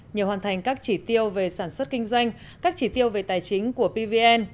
nhờ hoàn thành các chỉ tiêu về sản xuất kinh doanh các chỉ tiêu về tài chính của pvn